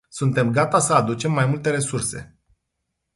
Suntem gata să aducem mai multe resurse.